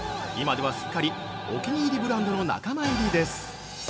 今ではすっかりお気に入りブランドの仲間入りです。